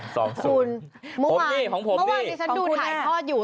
ของผมนี่ของคุณแน่ะเมื่อวานที่ฉันดูถ่ายทอดอยู่